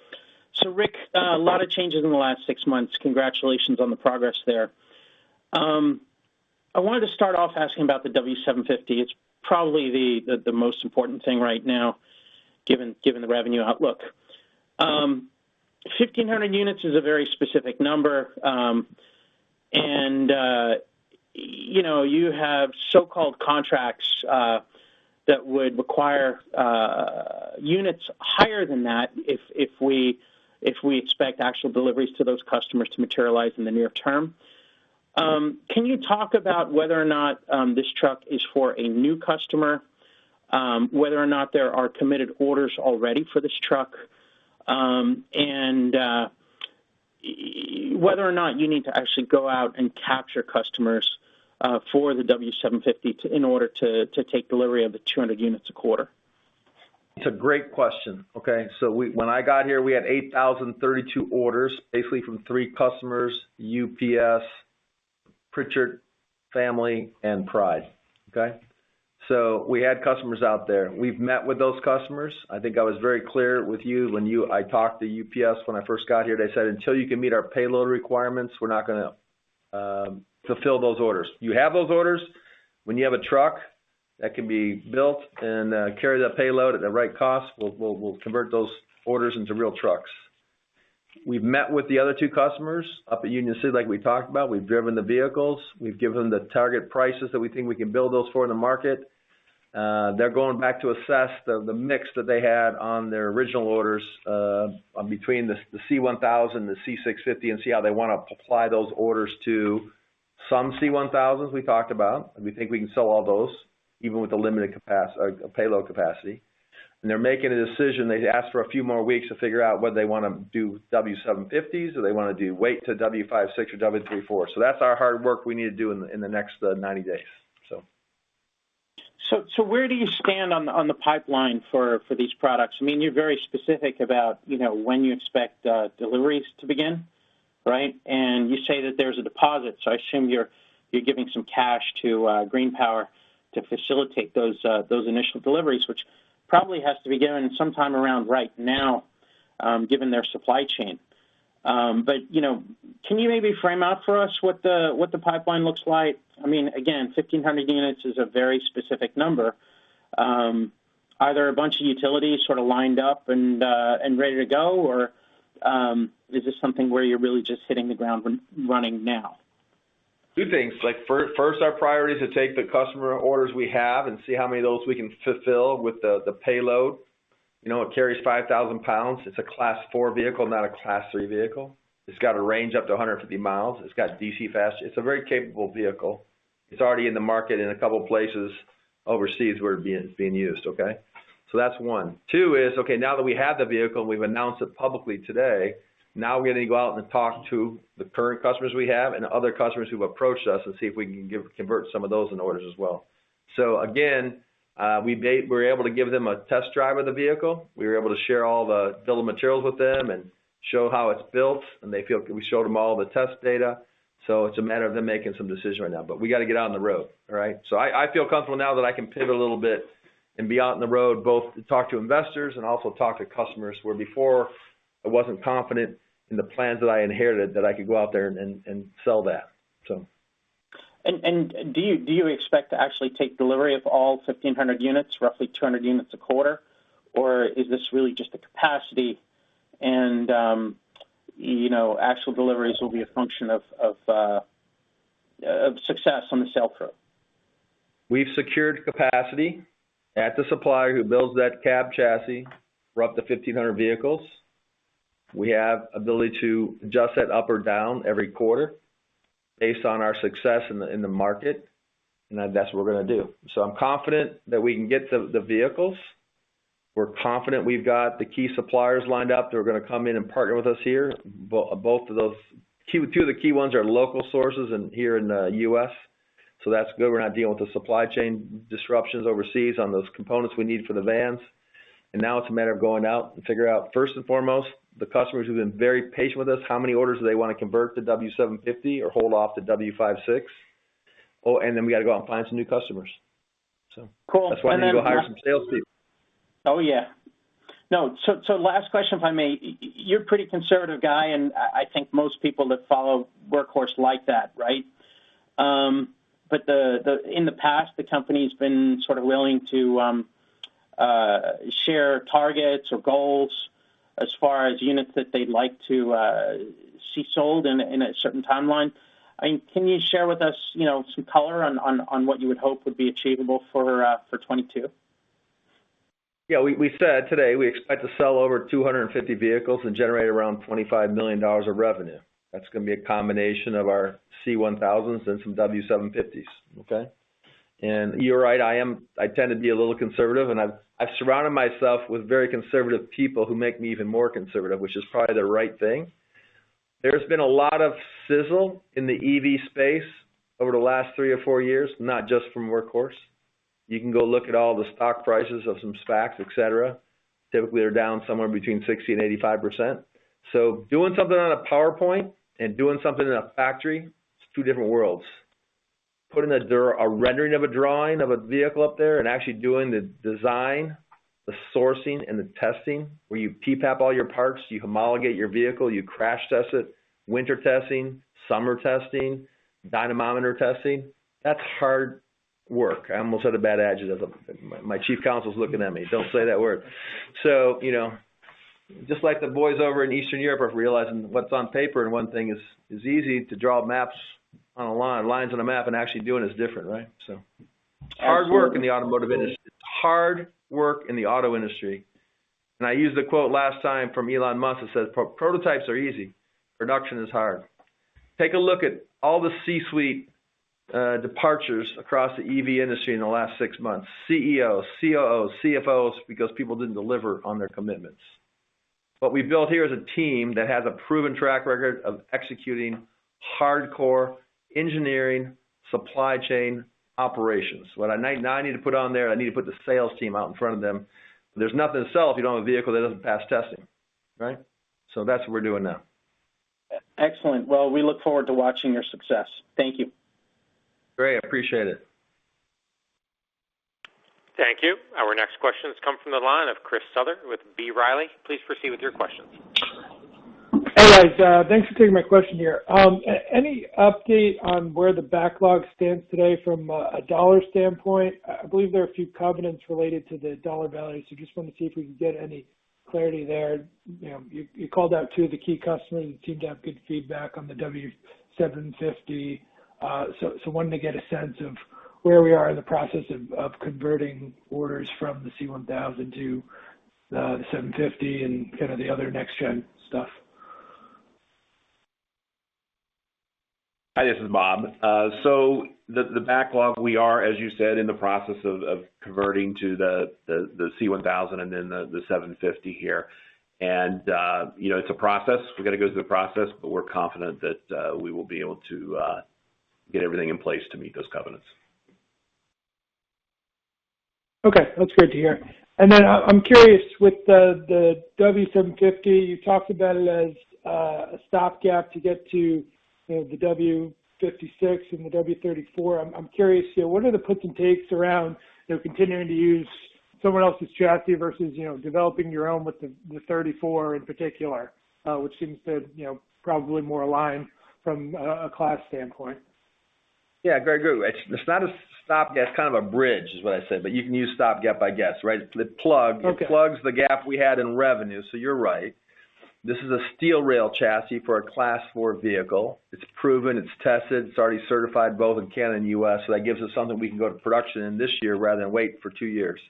Rick, a lot of changes in the last six months. Congratulations on the progress there. I wanted to start off asking about the W750. It's probably the most important thing right now given the revenue outlook. 1,500 units is a very specific number, and you know, you have so-called contracts that would require units higher than that if we expect actual deliveries to those customers to materialize in the near term. Can you talk about whether or not this truck is for a new customer? Whether or not there are committed orders already for this truck, and whether or not you need to actually go out and capture customers for the W750 in order to take delivery of the 200 units a quarter? It's a great question. Okay. When I got here, we had 8,032 orders, basically from three customers: UPS, Pritchard Companies, and Pride. Okay? We had customers out there. We've met with those customers. I think I was very clear with you. I talked to UPS when I first got here. They said, "Until you can meet our payload requirements, we're not gonna fulfill those orders. You have those orders. When you have a truck that can be built and carry that payload at the right cost, we'll convert those orders into real trucks." We've met with the other two customers up at Union City like we talked about. We've driven the vehicles. We've given them the target prices that we think we can build those for in the market. They're going back to assess the mix that they had on their original orders, between the C1000, the C650, and see how they want to apply those orders to some C1000s we talked about. We think we can sell all those, even with the limited payload capacity. They're making a decision. They'd asked for a few more weeks to figure out whether they want to do W750s or they want to wait to W56 or W34. That's our hard work we need to do in the next 90 days. Where do you stand on the pipeline for these products? I mean, you're very specific about, you know, when you expect deliveries to begin, right? You say that there's a deposit, so I assume you're giving some cash to GreenPower to facilitate those initial deliveries, which probably has to be given sometime around right now, given their supply chain. You know, can you maybe frame out for us what the pipeline looks like? I mean, again, 1,500 units is a very specific number. Are there a bunch of utilities sort of lined up and ready to go, or is this something where you're really just hitting the ground running now? Two things. First, our priority is to take the customer orders we have and see how many of those we can fulfill with the payload. You know, it carries 5,000 lbs. It's a Class 4 vehicle, not a Class 3 vehicle. It's got a range up to 150 mi. It's got DC fast. It's a very capable vehicle. It's already in the market in a couple places overseas where it's being used. Okay. That's one. Two is, now that we have the vehicle, and we've announced it publicly today, now we're gonna go out and talk to the current customers we have and other customers who approached us and see if we can convert some of those into orders as well. Again, we're able to give them a test drive of the vehicle. We were able to share all the bill of materials with them and show how it's built. We showed them all the test data. It's a matter of them making some decision right now. We got to get out on the road. All right? I feel comfortable now that I can pivot a little bit and be out on the road, both to talk to investors and also talk to customers, where before I wasn't confident in the plans that I inherited, that I could go out there and sell that. Do you expect to actually take delivery of all 1,500 units, roughly 200 units a quarter, or is this really just the capacity and, you know, actual deliveries will be a function of success on the sales front? We've secured capacity at the supplier who builds that cab chassis for up to 1,500 vehicles. We have ability to adjust that up or down every quarter based on our success in the market. That's what we're gonna do. I'm confident that we can get the vehicles. We're confident we've got the key suppliers lined up that are gonna come in and partner with us here. Two of the key ones are local sources here in the US. That's good. We're not dealing with the supply chain disruptions overseas on those components we need for the vans. Now it's a matter of going out and figure out, first and foremost, the customers who've been very patient with us, how many orders do they want to convert to W750 or hold off the W56. Oh, we got to go out and find some new customers. Cool... That's why we need to hire some salespeople. Oh, yeah. No. Last question, if I may. You're a pretty conservative guy, and I think most people that follow Workhorse like that, right? In the past, the company's been sort of willing to share targets or goals as far as units that they'd like to see sold in a certain timeline. I mean, can you share with us, you know, some color on what you would hope would be achievable for 2022? Yeah. We said today we expect to sell over 250 vehicles and generate around $25 million of revenue. That's gonna be a combination of our C1000s and some W750s. Okay? You're right, I am, I tend to be a little conservative and I've surrounded myself with very conservative people who make me even more conservative, which is probably the right thing. There's been a lot of sizzle in the EV space over the last three or four years, not just from Workhorse. You can go look at all the stock prices of some SPACs, et cetera. Typically, they're down somewhere between 60% and 85%. Doing something on a PowerPoint and doing something in a factory, it's two different worlds. Putting a rendering of a drawing of a vehicle up there and actually doing the design, the sourcing, and the testing, where you PPAP all your parts, you homologate your vehicle, you crash test it, winter testing, summer testing, dynamometer testing, that's hard work. I almost said a bad adjective. My chief counsel's looking at me. Don't say that word. You know, just like the boys over in Eastern Europe are realizing what's on paper and one thing is easy to draw lines on a map and actually doing is different, right? Hard work in the automotive industry. It's hard work in the auto industry. I used the quote last time from Elon Musk that says, "Prototypes are easy. Production is hard." Take a look at all the C-suite departures across the EV industry in the last six months, CEOs, COOs, CFOs, because people didn't deliver on their commitments. What we built here is a team that has a proven track record of executing hardcore engineering supply chain operations. Now I need to put on there, I need to put the sales team out in front of them. There's nothing to sell if you don't have a vehicle that doesn't pass testing, right? That's what we're doing now. Excellent. Well, we look forward to watching your success. Thank you. Great. I appreciate it. Thank you. Our next question has come from the line of Chris Souther with B. Riley. Please proceed with your questions. Hey, guys. Thanks for taking my question here. Any update on where the backlog stands today from a dollar standpoint? I believe there are a few covenants related to the dollar value, so just wanted to see if we could get any clarity there. You know, you called out two of the key customers who seemed to have good feedback on the W750, so wanting to get a sense of where we are in the process of converting orders from the C1000 to the W750 and kind of the other next gen stuff. Hi, this is Bob. The backlog we are, as you said, in the process of converting to the C1000 and then the W750 here. You know, it's a process. We've got to go through the process, but we're confident that we will be able to get everything in place to meet those covenants. Okay. That's great to hear. I'm curious with the W750, you talked about it as a stopgap to get to, you know, the W56 and the W34. I'm curious here, what are the puts and takes around, you know, continuing to use someone else's chassis versus, you know, developing your own with the W34 in particular, which seems to, you know, probably more aligned from a class standpoint? Yeah, very good. It's not a stopgap, it's kind of a bridge, is what I said. You can use stopgap, I guess, right? It plugs... Okay. It plugs the gap we had in revenue, so you're right. This is a steel rail chassis for a Class 4 vehicle. It's proven, it's tested, it's already certified both in Canada and the US, so that gives us something we can go to production in this year rather than wait for two years.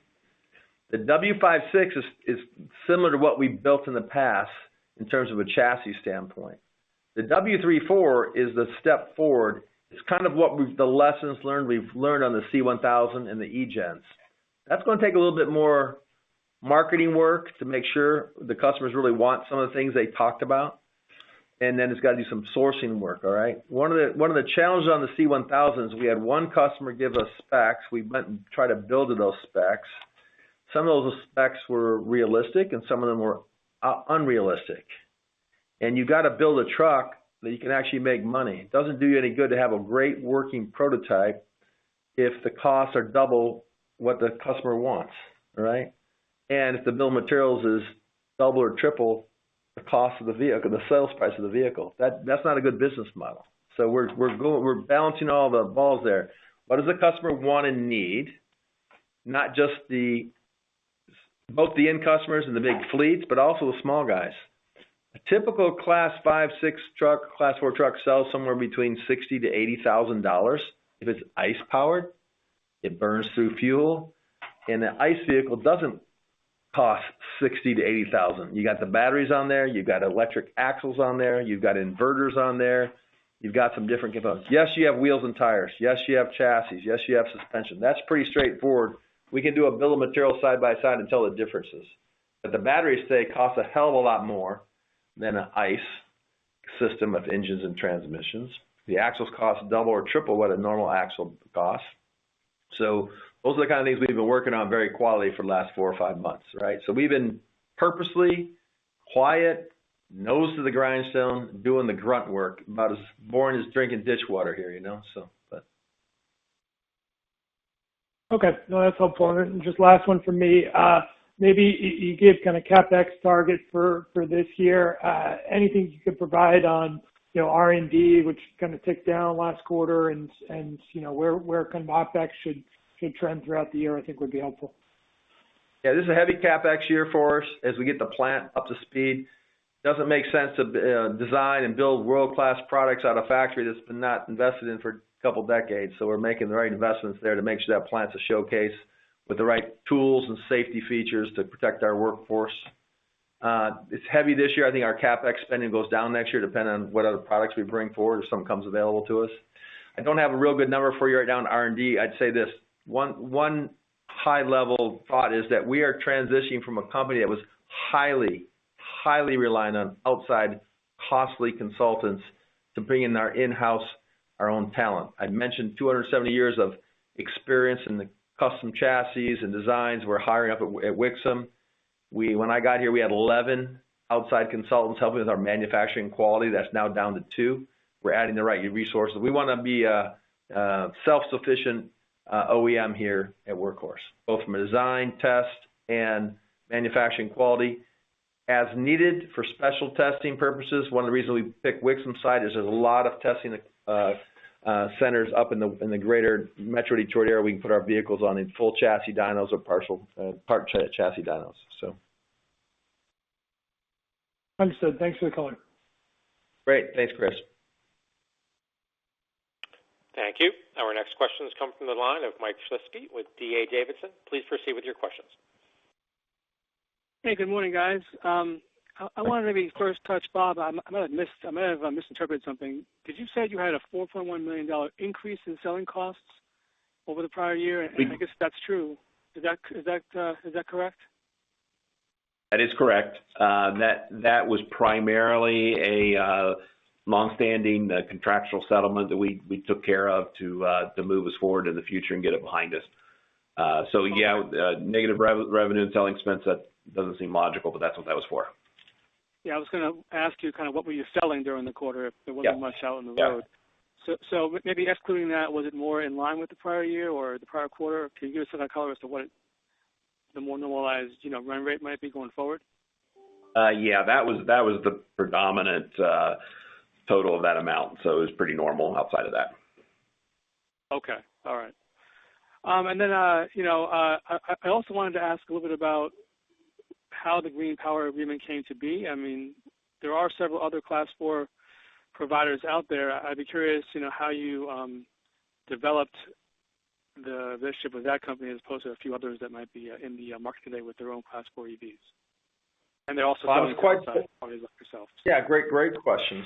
The W56 is similar to what we've built in the past in terms of a chassis standpoint. The W34 is the step forward. It's kind of the lessons learned on the C1000 and the E-GENs. That's gonna take a little bit more marketing work to make sure the customers really want some of the things they talked about. Then it's got to do some sourcing work, all right? One of the challenges on the C1000 is we had one customer give us specs. We went and tried to build to those specs. Some of those specs were realistic and some of them were unrealistic. You got to build a truck that you can actually make money. It doesn't do you any good to have a great working prototype if the costs are double what the customer wants, right? If the bill of materials is double or triple the cost of the vehicle, the sales price of the vehicle, that's not a good business model. We're balancing all the balls there. What does the customer want and need? Not just both the end customers and the big fleets, but also the small guys. A typical Class 5, 6 truck, Class 4 truck sells somewhere between $60,000 to 80,000 if it's ICE powered. It burns through fuel. An ICE vehicle doesn't cost $60,000 to 80,000. You got the batteries on there, you've got electric axles on there, you've got inverters on there, you've got some different components. Yes, you have wheels and tires. Yes, you have chassis. Yes, you have suspension. That's pretty straightforward. We can do a bill of material side by side and tell the differences. The batteries, they cost a hell of a lot more than an ICE system of engines and transmissions. The axles cost double or triple what a normal axle costs. Those are the kind of things we've been working on very quietly for the last four or five months, right? We've been purposely quiet, nose to the grindstone, doing the grunt work, about as boring as drinking dishwater here, you know. Okay. No, that's helpful. Just last one from me. Maybe you gave kind of CapEx target for this year. Anything you could provide on, you know, R&D, which kind of ticked down last quarter, and you know, where kind of OpEx should trend throughout the year, I think would be helpful. Yeah, this is a heavy CapEx year for us as we get the plant up to speed. Doesn't make sense to design and build world-class products at a factory that's been not invested in for a couple decades, so we're making the right investments there to make sure that plant's a showcase with the right tools and safety features to protect our workforce. It's heavy this year. I think our CapEx spending goes down next year, depending on what other products we bring forward or some comes available to us. I don't have a real good number for you right now on R&D. I'd say this, one high level thought is that we are transitioning from a company that was highly reliant on outside costly consultants to bring in our in-house, our own talent. I mentioned 270 years of experience in the custom chassis and designs we're hiring up at Wixom. When I got here, we had 11 outside consultants helping with our manufacturing quality. That's now down to two. We're adding the right resources. We want to be a self-sufficient OEM here at Workhorse, both from a design test and manufacturing quality. As needed for special testing purposes, one of the reasons we picked Wixom site is there's a lot of testing centers up in the greater Metro Detroit area we can put our vehicles on in full chassis dynos or partial chassis dynos. Understood. Thanks for the color. Great. Thanks, Chris. Thank you. Our next question has come from the line of Mike Shlisky with D.A. Davidson. Please proceed with your questions. Hey, good morning, guys. I wanted to maybe first touch Bob. I might have misinterpreted something. Did you say you had a $4.1 million increase in selling costs over the prior year? I guess that's true. Is that correct? That is correct. That was primarily a long-standing contractual settlement that we took care of to move us forward in the future and get it behind us. Yeah, negative revenue and selling expense, that doesn't seem logical, but that's what that was for. Yeah, I was gonna ask you kind of what were you selling during the quarter if there wasn't much out in the road? Yeah. Maybe excluding that, was it more in line with the prior year or the prior quarter? Can you give us some color as to what the more normalized, you know, run rate might be going forward? Yeah, that was the predominant total of that amount, so it was pretty normal outside of that. Okay. All right. You know, I also wanted to ask a little bit about how the GreenPower agreement came to be. I mean, there are several other Class 4 providers out there. I'd be curious, you know, how you developed the relationship with that company as opposed to a few others that might be in the market today with their own Class 4 EVs. They're also selling... I was quite... Companies like yourself. Yeah, great question.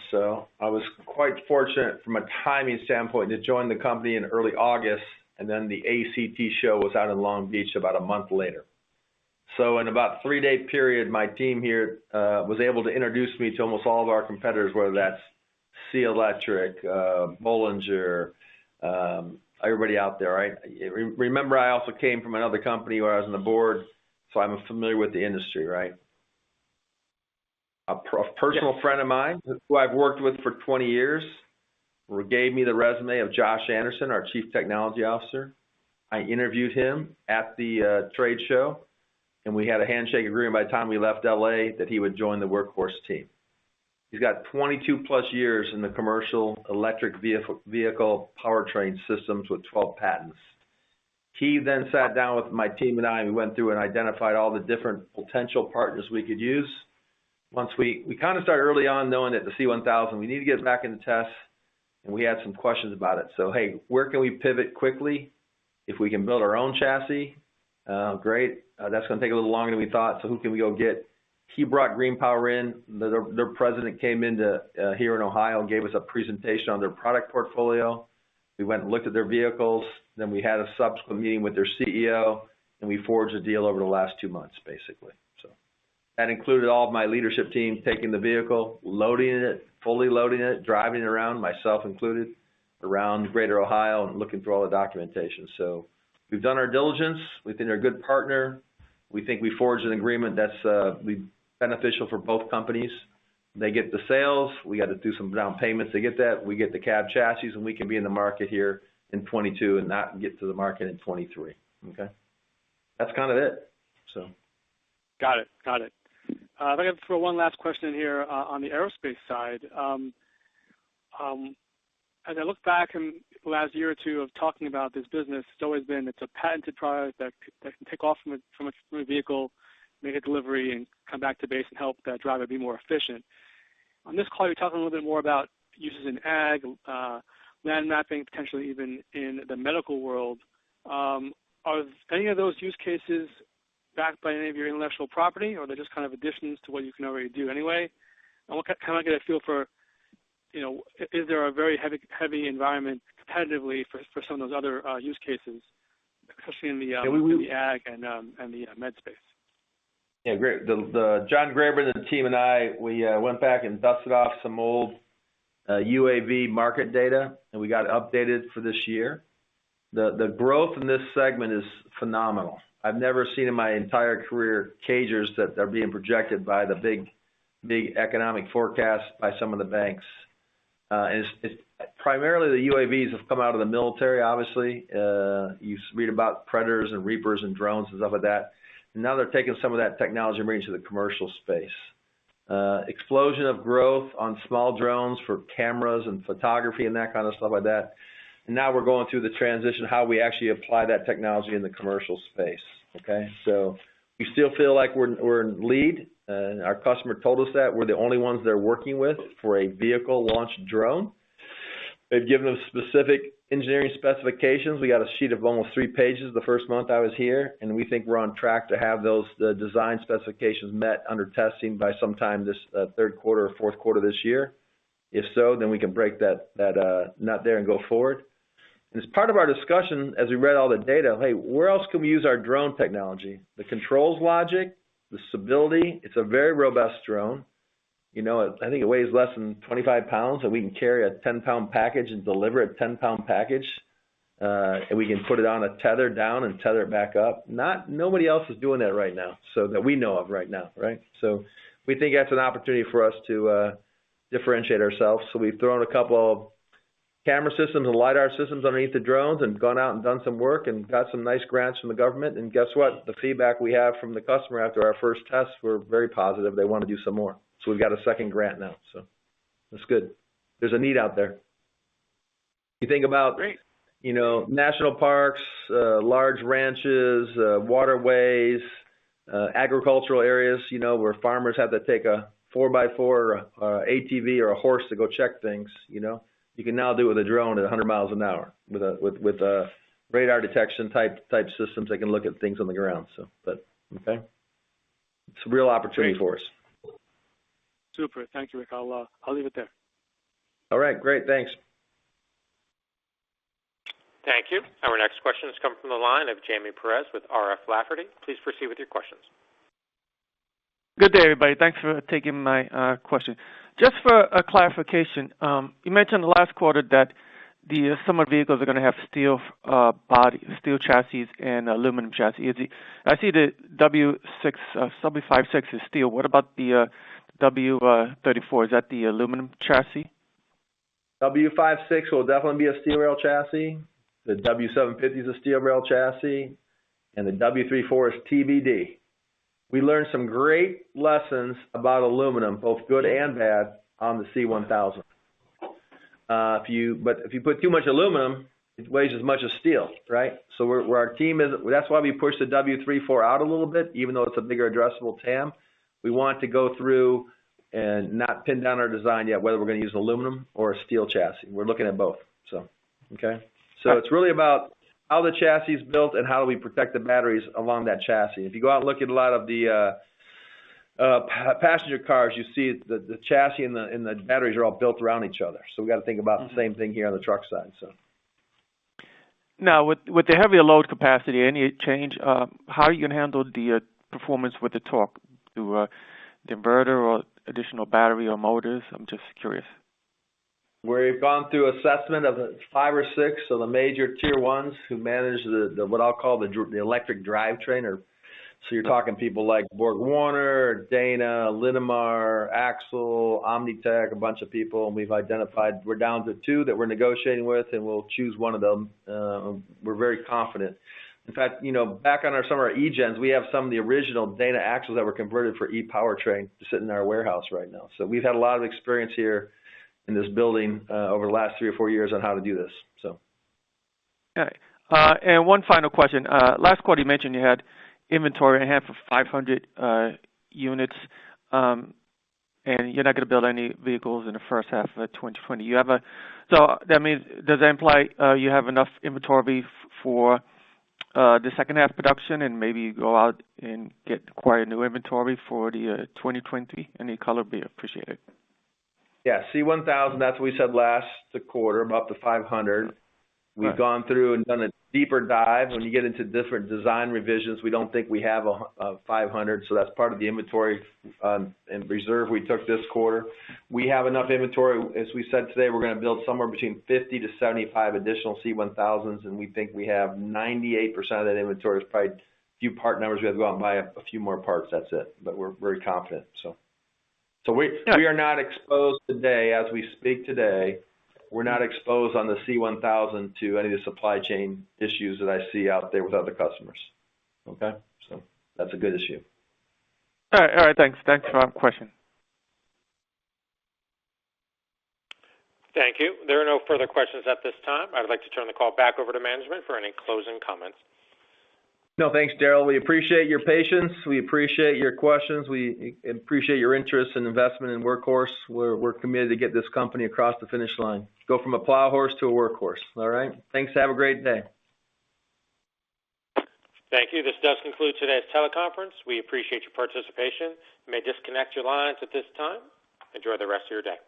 I was quite fortunate from a timing standpoint to join the company in early August, and then the ACT Show was out in Long Beach about a month later. In about three-day period, my team here was able to introduce me to almost all of our competitors, whether that's SEA Electric, Bollinger, everybody out there, right? Remember I also came from another company where I was on the board, so I'm familiar with the industry, right? Yeah. A personal... Friend of mine, who I've worked with for 20 years, gave me the resume of Josh Anderson, our Chief Technology Officer. I interviewed him at the trade show, and we had a handshake agreement by the time we left LA that he would join the Workhorse team. He's got 22+ years in the commercial electric vehicle powertrain systems with 12 patents. He then sat down with my team and I, and we went through and identified all the different potential partners we could use. Once we kind of started early on knowing that the C-1000, we need to get it back in the test, and we had some questions about it. Hey, where can we pivot quickly? If we can build our own chassis, great. That's gonna take a little longer than we thought, so who can we go get? He brought Green Power in. Their president came into here in Ohio and gave us a presentation on their product portfolio. We went and looked at their vehicles, then we had a subsequent meeting with their CEO, and we forged a deal over the last two months, basically. That included all of my leadership team taking the vehicle, loading it, fully loading it, driving it around, myself included, around Greater Ohio and looking for all the documentation. We've done our diligence. We think they're a good partner. We think we forged an agreement that's beneficial for both companies. They get the sales. We got to do some down payments. They get that. We get the cab chassis, and we can be in the market here in 2022 and not get to the market in 2023. Okay. That's kind of it. Got it. If I can throw one last question in here, on the aerospace side. As I look back in the last year or two of talking about this business, it's always been a patented product that can take off from a vehicle, make a delivery, and come back to base and help that driver be more efficient. On this call, you're talking a little bit more about uses in ag land mapping, potentially even in the medical world. Are any of those use cases backed by any of your intellectual property, or are they just kind of additions to what you can already do anyway? What can I get a feel for, you know, is there a very heavily competitive environment for some of those other use cases, especially in... Yeah, we... The ag and the med space? Yeah, great. John Graber, the team and I went back and dusted off some old UAV market data, and we got it updated for this year. The growth in this segment is phenomenal. I've never seen in my entire career CAGRs that are being projected by the big economic forecast by some of the banks. It's primarily the UAVs have come out of the military, obviously. You read about predators and reapers and drones and stuff like that, and now they're taking some of that technology and bringing it to the commercial space. Explosion of growth on small drones for cameras and photography and that kind of stuff like that. Now we're going through the transition, how we actually apply that technology in the commercial space. Okay. We still feel like we're in lead. Our customer told us that we're the only ones they're working with for a vehicle launch drone. They've given us specific engineering specifications. We got a sheet of almost three pages the first month I was here, and we think we're on track to have those design specifications met under testing by sometime this third quarter or fourth quarter this year. If so, we can break that nut there and go forward. As part of our discussion, as we read all the data, hey, where else can we use our drone technology? The controls logic, the stability, it's a very robust drone. You know, I think it weighs less than 25 pounds, and we can carry a 10-pound package and deliver a 10-pound package, and we can put it on a tether down and tether it back up. Nobody else is doing that right now, so that we know of right now, right? We think that's an opportunity for us to differentiate ourselves. We've thrown a couple of camera systems and lidar systems underneath the drones and gone out and done some work and got some nice grants from the government. Guess what? The feedback we have from the customer after our first tests were very positive. They want to do some more. We've got a second grant now, so that's good. There's a need out there. You think about... Great. You know, national parks, large ranches, waterways, agricultural areas, you know, where farmers have to take a four-by-four or ATV or a horse to go check things, you know. You can now do with a drone at 100 mi an hour with a radar detection type systems that can look at things on the ground. It's a real opportunity for us. Super. Thank you, Rick. I'll leave it there. All right, great. Thanks. Thank you. Our next question is coming from the line of Jaime Perez with R.F. Lafferty. Please proceed with your questions. Good day, everybody. Thanks for taking my question. Just for a clarification, you mentioned last quarter that some vehicles are gonna have steel body, steel chassis and aluminum chassis. I see the W750 is steel. What about the W34? Is that the aluminum chassis? W56 will definitely be a steel rail chassis. The W750 is a steel rail chassis, and the W34 is TBD. We learned some great lessons about aluminum, both good and bad, on the C1000. If you put too much aluminum, it weighs as much as steel, right? Where our team is, that's why we pushed the W34 out a little bit, even though it's a bigger addressable TAM. We want to go through and not pin down our design yet, whether we're gonna use aluminum or a steel chassis. We're looking at both, okay? It's really about how the chassis is built and how do we protect the batteries along that chassis. If you go out and look at a lot of the passenger cars, you see the chassis and the batteries are all built around each other. We got to think about the same thing here on the truck side, so. Now, with the heavier load capacity, any change, how are you gonna handle the performance with the torque? Through the inverter or additional battery or motors? I'm just curious. We've gone through assessment of five or six of the major Tier 1s who manage the, what I'll call the electric drivetrain. You're talking people like BorgWarner, Dana, Linamar, Axle, Omnitek, a bunch of people, and we've identified we're down to two that we're negotiating with, and we'll choose one of them. We're very confident. In fact, you know, back on our summer E-GENs, we have some of the original Dana axles that were converted for ePowertrain sitting in our warehouse right now. We've had a lot of experience here in this building over the last three or four years on how to do this. Okay. One final question. Last quarter, you mentioned you had inventory of 500 units, and you're not gonna build any vehicles in the first half of 2020. That means, does that imply you have enough inventory for the second half production and maybe go out and get, acquire new inventory for the 2020? Any color would be appreciated. Yeah. C1000, that's what we said last quarter, about the 500. Right. We've gone through and done a deeper dive. When you get into different design revisions, we don't think we have a 500, so that's part of the inventory and reserve we took this quarter. We have enough inventory. As we said today, we're gonna build somewhere between 50 to 75 additional C1000s, and we think we have 98% of that inventory. It's probably a few part numbers we have to go out and buy a few more parts, that's it. We're very confident. Yeah. We are not exposed today, as we speak today, we're not exposed on the C1000 to any of the supply chain issues that I see out there with other customers. Okay? That's a good issue. All right, thanks for taking my question. Thank you. There are no further questions at this time. I would like to turn the call back over to management for any closing comments. No, thanks, Daryl. We appreciate your patience. We appreciate your questions. We appreciate your interest and investment in Workhorse. We're committed to get this company across the finish line. Go from a plow horse to a Workhorse. All right? Thanks. Have a great day. Thank you. This does conclude today's teleconference. We appreciate your participation. You may disconnect your lines at this time. Enjoy the rest of your day.